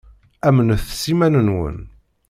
Amnet s yiman-nwen.